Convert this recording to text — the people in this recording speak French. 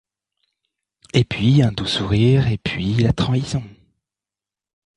Et puis un doux sourire, et puis la trahison !